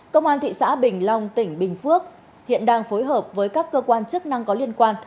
công an thị xã bình long tỉnh bình phước hiện đang phối hợp với các cơ quan chức năng có liên quan